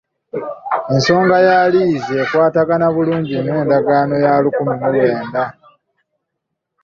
Ensonga ya liizi ekwatagana bulungi n'endagaano ya lukumi mu lwenda.